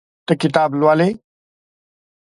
ته کتاب لولې.